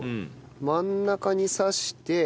真ん中に刺して。